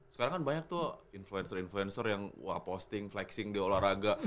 sekarang kan banyak tuh influencer influencer yang wah posting flexing di olahraga